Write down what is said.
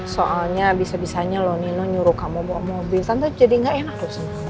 soalnya bisa bisanya loh nino nyuruh kamu bawa mobil tante jadi gak enak